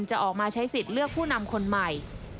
จะออกมาใช้สิทธิ์เลือกผู้นำคนใหม่